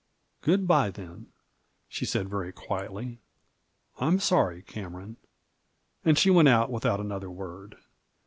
"Good by, then," she said very quietly; "I'm sorry, Cameron." And she went ont without another word.